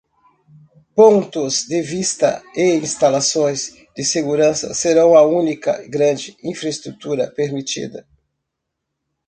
Pontos de vista e instalações de segurança serão a única grande infraestrutura permitida.